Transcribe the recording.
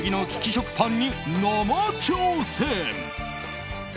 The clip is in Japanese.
食パンに生挑戦。